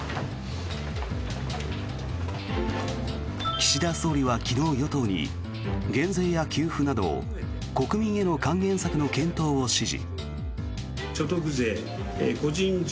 岸田総理は昨日与党に減税や給付など国民への還元策の検討を指示。